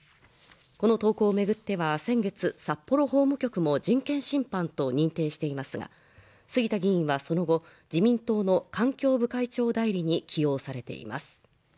この投稿を巡っては先月札幌法務局も人権侵犯と認定していますが杉田議員はその後自民党の環境部会長代理に起用されています